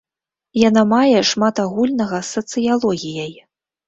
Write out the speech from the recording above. Яна мае шмат агульнага з сацыялогіяй.